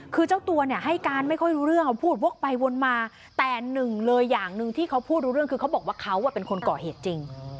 คือเจ้าตัวเนี่ยให้การไม่ค่อยรู้เรื่องเอาพูดวกไปวนมาแต่หนึ่งเลยอย่างหนึ่งที่เขาพูดรู้เรื่องคือเขาบอกว่าเขาเป็นคนก่อเหตุจริง